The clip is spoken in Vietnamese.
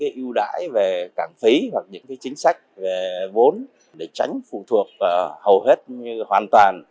ưu đãi về cảng phí hoặc những chính sách về vốn để tránh phụ thuộc hầu hết như hoàn toàn